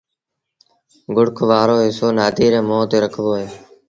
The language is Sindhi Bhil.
گُوڙک وآرو هسو نآديٚ ري مݩهݩ تي رکبو اهي۔